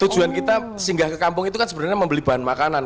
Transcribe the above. tujuan kita singgah ke kampung itu kan sebenarnya membeli bahan makanan